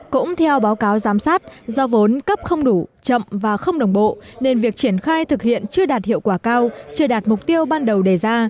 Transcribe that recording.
cũng theo báo cáo giám sát do vốn cấp không đủ chậm và không đồng bộ nên việc triển khai thực hiện chưa đạt hiệu quả cao chưa đạt mục tiêu ban đầu đề ra